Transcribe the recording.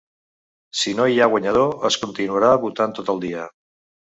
Si no hi ha guanyador, es continuarà votant tot el dia.